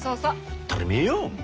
あったりめえよ。